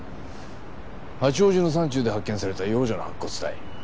八王子の山中で発見された幼女の白骨体。